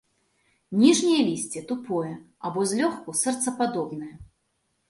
Ніжняе лісце тупое або злёгку сэрцападобнае.